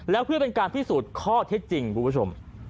แล้วเพื่อเป็นการพิสูจน์ข้อเท็จจริงคุณผู้ชม